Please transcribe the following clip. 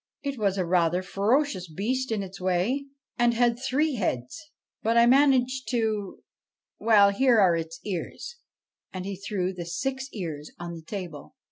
It was a rather ferocious beast in its way, and had three heads ; but I managed to well, here are its ears.' And he threw the six ears on the table.